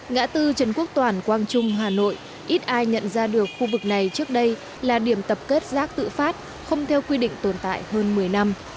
ngã tư trần quốc toàn quang trung hà nội ít ai nhận ra được khu vực này trước đây là điểm tập kết rác tự phát không theo quy định tồn tại hơn một mươi năm